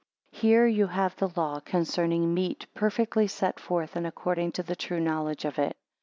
15 Here you have the law concerning meat perfectly set forth and according to the true knowledge of it.